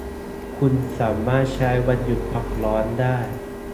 คุณสามารถใช้วันหยุดพักร้อนได้